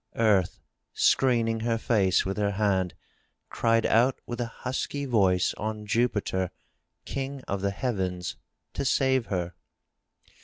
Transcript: Earth, screening her face with her hand, cried out with a husky voice on Jupiter, King of the Heavens, to save her.